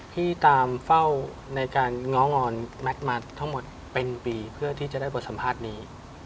ที่ตามเฝ้าในการง้องอนแมทมาทั้งหมดเป็นปีเพื่อที่จะได้บทสัมภาษณ์นี้